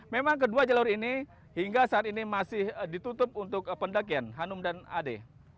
memang kedua jalur ini hingga saat ini masih ditutup untuk pendakian hanum dan ade